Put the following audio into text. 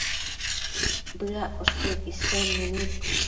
Bëaccosh queque isednu nid